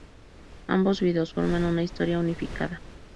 Ambos videos forman una historia unificada.